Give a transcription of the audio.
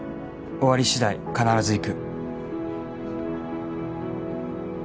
「終わり次第必ず行く」